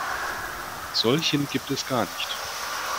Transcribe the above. Solchen gibt es gar nicht.